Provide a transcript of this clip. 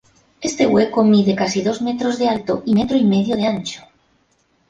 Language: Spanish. Este hueco mide casi dos metros de alto y metro y medio de ancho.